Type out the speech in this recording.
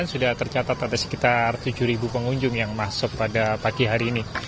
sudah tercatat ada sekitar tujuh pengunjung yang masuk pada pagi hari ini